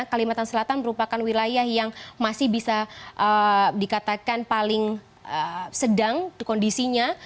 kalimantan selatan merupakan wilayah yang masih bisa dikatakan paling sedang kondisinya